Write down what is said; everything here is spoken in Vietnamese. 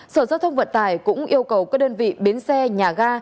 sở giao thông vận tải cũng yêu cầu các đơn vị bến xe nhà ga